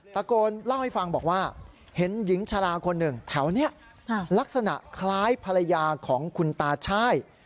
ตะโกนเล่าให้ฟังบอกว่าเห็นหญิงชะลาคนหนึ่งแถวนี้ลักษณะคล้ายภรรยาของคุณตาช่าย